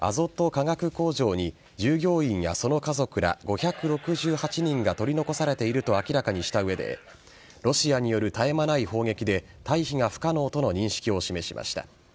化学工場に従業員やその家族ら５６８人が取り残されていると明らかにした上でロシアによる絶え間ない砲撃で退避が不可能との認識を示しました。